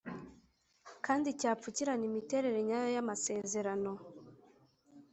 kandi cyapfukirana imiterere nyayo y amasezerano